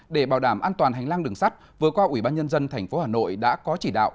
để bảo đảm an toàn hành lang đường sắt vừa qua ủy ban nhân dân tp hà nội đã có chỉ đạo